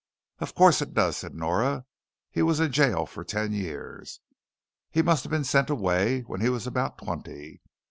"Of course it does," said Nora. "He was in jail for ten years. He must have been sent away when he was about twenty.